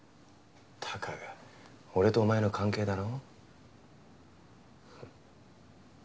たかが俺とお前の関係だろ？